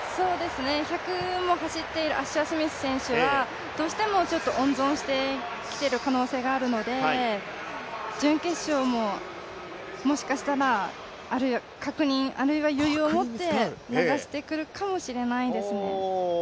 １００も走っているアッシャースミス選手はどうしても温存してきている可能性があるので、準決勝ももしかしたら、確認、あるいは余裕を持って流してくるかもしれないですね。